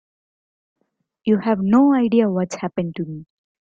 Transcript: You have no idea what's happened to me.